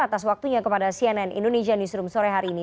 atas waktunya kepada cnn indonesia newsroom sore hari ini